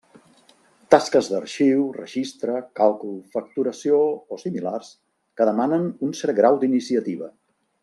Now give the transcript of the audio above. Tasques d'arxiu, registre, càlcul, facturació o similars que demanen un cert grau d'iniciativa.